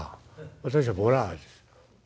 私はボラです」。